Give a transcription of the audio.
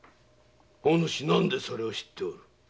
おぬし何でそれを知っておる？